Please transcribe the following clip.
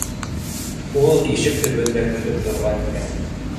Ул ишек төбөндә көтөп торған икән.